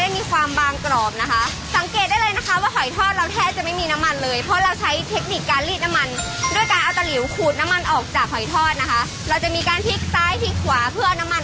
มีความใส่ใจมากที่จะรีดน้ำมันออกให้ลูกค้า